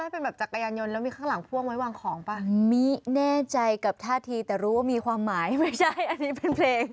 พร้อมจะดูแลเธออีกยาวไกล